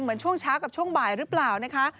เหมือนช่วงเช้ากับช่วงบ่ายหรือเปล่านะคะ